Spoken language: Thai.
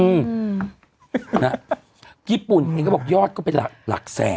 อืมนะญี่ปุ่นเองก็บอกยอดก็เป็นหลักหลักแสน